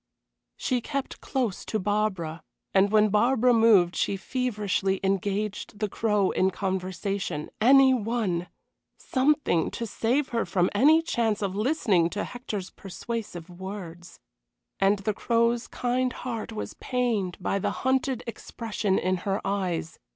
She kept close to Barbara, and when Barbara moved she feverishly engaged the Crow in conversation any one something to save her from any chance of listening to Hector's persuasive words. And the Crow's kind heart was pained by the hunted expression in her eyes.